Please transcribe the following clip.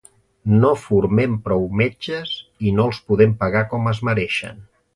No formem prou metges i no els podem pagar com es mereixen.